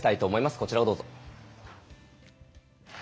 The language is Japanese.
こちらをどうぞ。